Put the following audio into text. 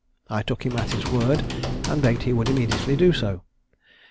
I took him at his word, and begged he would immediately do so.